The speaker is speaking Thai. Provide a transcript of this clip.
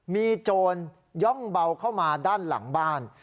มีโจรย่องเบาเข้ามาด้านหลังบ้าน